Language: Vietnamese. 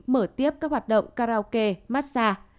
mở tiếp các hoạt động karaoke massage